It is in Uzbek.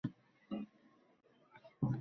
Kadastr hujjatlari asosida mulk huquqini olganman